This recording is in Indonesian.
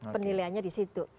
penilaiannya di situ